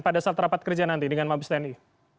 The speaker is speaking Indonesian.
pada saat rapat kerja nanti dengan mabes tni